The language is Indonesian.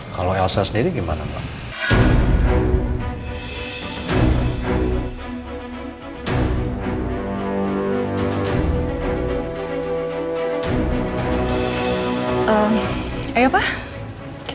kalau elsa sendiri gimana pak